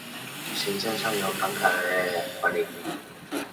行政上由庞卡杰内和群岛县管理。